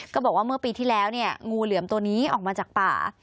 บอกว่าเมื่อปีที่แล้วเนี่ยงูเหลือมตัวนี้ออกมาจากป่า